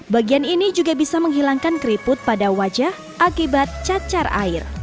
bagian ini juga bisa menghilangkan keriput pada wajah akibat cacar air